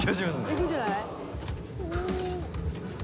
いくんじゃない？